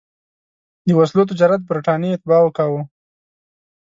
د وسلو تجارت برټانیې اتباعو کاوه.